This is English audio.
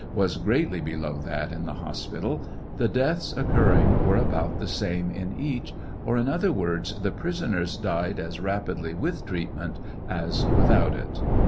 s greatly below that in the hospital, the deaths occurring were about the same in each, or, in other words, the prisoners died a^ rapidly witJi treatment as without it.